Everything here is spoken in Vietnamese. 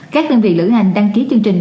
các đơn vị lữ hành đăng ký chương trình